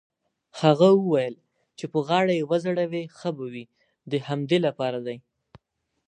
هغه وویل: چې په غاړه يې وځړوې ښه به وي، د همدې لپاره دی.